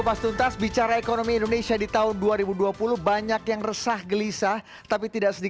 menghaburkan usaha yang tidak perlu